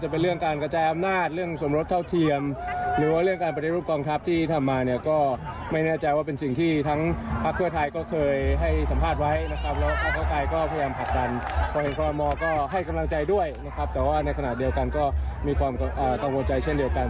แต่ว่าในขณะเดียวกันก็มีความกังวลใจเช่นเดียวกัน